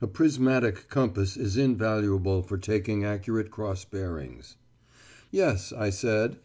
(A prismatic compass is invaluable for taking accurate cross bearings.) "Yes," I said.